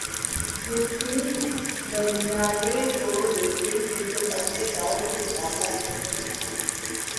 مسکن بنانے کو لیکن پھر جب اپنے گاؤں سے مقابلہ کرتے ہیں۔